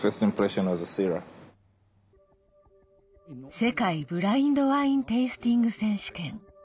世界ブラインドワイン・テイスティング選手権。